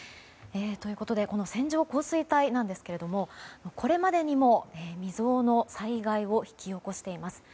この線状降水帯なんですがこれまでにも未曽有の災害を引き起こしています。